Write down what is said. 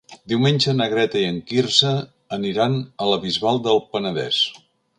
Diumenge na Greta i en Quirze aniran a la Bisbal del Penedès.